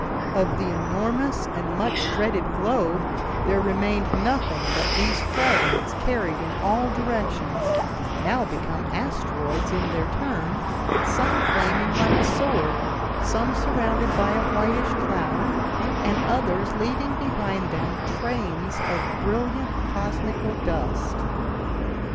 Of the enormous and much dreaded globe there remained nothing but these fragments carried in all directions, now become asteroids in their turn, some flaming like a sword, some surrounded by a whitish cloud, and others leaving behind them trains of brilliant cosmical dust.